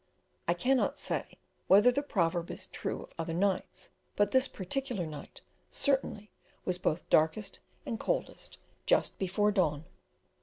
I cannot say whether the proverb is true of other nights, but this particular night, certainly, was both darkest and coldest just before dawn.